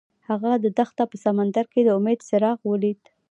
هغه د دښته په سمندر کې د امید څراغ ولید.